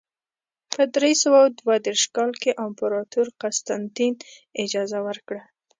په درې سوه دوه دېرش کال کې امپراتور قسطنطین اجازه ورکړه.